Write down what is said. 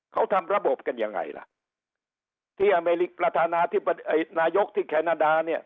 เขาทำระบบกันยังไงล่ะที่อเมริกประธานาธิบนายกที่แคนาดาเนี่ย